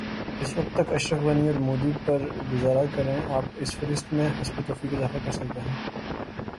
اس وقت تک اشرف غنی اورمودی پر گزارا کریں آپ اس فہرست میں حسب توفیق اضافہ کرسکتے ہیں۔